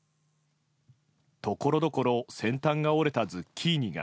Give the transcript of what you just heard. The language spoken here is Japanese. ところどころ先端が折れたズッキーニが。